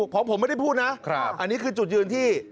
เพราะผมไม่ได้พูดนะอันนี้คือจุดยืนที่